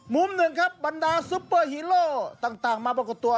มุมหนึ่งครับบรรดาซุปเปอร์ฮีโร่ต่างมาปรากฏตัว